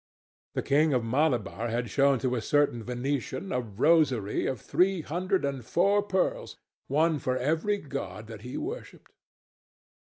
The King of Malabar had shown to a certain Venetian a rosary of three hundred and four pearls, one for every god that he worshipped.